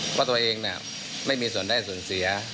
ว่าตัวเองเนี่ยไม่มีส่วนได้ส่วนเสีย